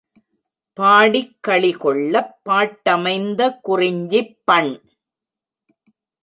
பாடிக்களி கொள்ளப் பாட்டமைந்த குறிஞ்சிப்பண்!